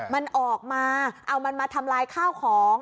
มันออกมาเอามันมาทำลายข้าวของ